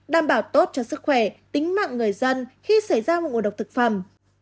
đảm bảo tốt cho sức khỏe tính mạng người dân khi xảy ra một ngộ độc thực phẩm